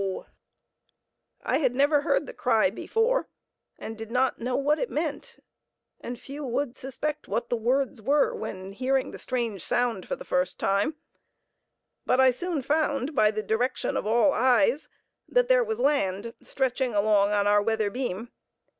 I had never heard the cry before, and did not know what it meant (and few would suspect what the words were, when hearing the strange sound for the first time), but I soon found, by the direction of all eyes, that there was land stretching along on our weather beam.